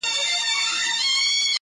مړۍ غوړي سوې د ښار د فقیرانو،